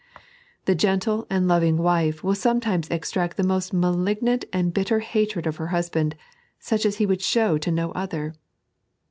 The gentle and loving wife will sometimes extract the most malignant and bitter hatred of her husband, such as he irould show to no other.